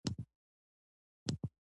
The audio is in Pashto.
اور انسانانو ته نوي او ګټور امکانات ورکړل.